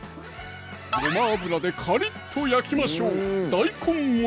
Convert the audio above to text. ごま油でカリッと焼きましょう